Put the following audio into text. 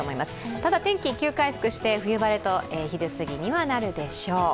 ただ天気急回復して冬晴れと昼すぎにはなるでしょう。